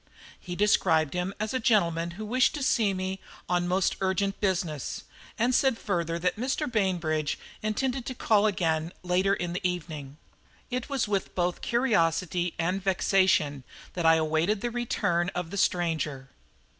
He described him as a gentleman who wished to see me on most urgent business, and said further that Mr. Bainbridge intended to call again later in the evening. It was with both curiosity and vexation that I awaited the return of the stranger.